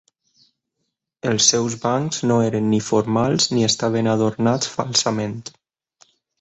Els seus bancs no eren ni formals ni estaven adornats falsament.